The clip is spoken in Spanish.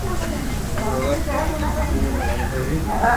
El rodaje tuvo lugar en Toronto.